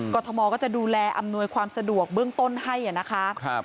ทมก็จะดูแลอำนวยความสะดวกเบื้องต้นให้นะคะ